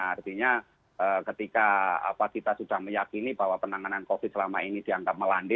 artinya ketika kita sudah meyakini bahwa penanganan covid selama ini dianggap melande